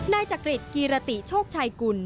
ในจักริจกิรติโชคชัยกุล